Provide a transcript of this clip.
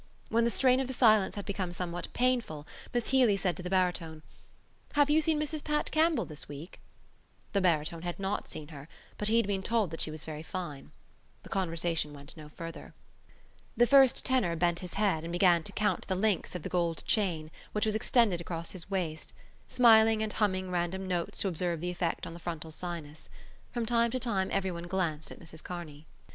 When the strain of the silence had become somewhat painful Miss Healy said to the baritone: "Have you seen Mrs Pat Campbell this week?" The baritone had not seen her but he had been told that she was very fine. The conversation went no further. The first tenor bent his head and began to count the links of the gold chain which was extended across his waist, smiling and humming random notes to observe the effect on the frontal sinus. From time to time everyone glanced at Mrs Kearney.